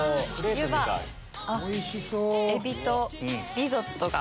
エビとリゾットが。